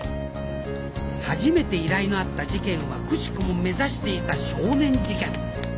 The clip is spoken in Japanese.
初めて依頼のあった事件はくしくも目指していた少年事件。